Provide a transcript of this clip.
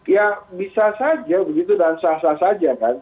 ya bisa saja begitu dan sah sah saja kan